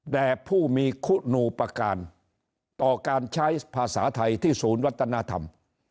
ผู้มีคุณูประการต่อการใช้ภาษาไทยที่ศูนย์วัฒนธรรม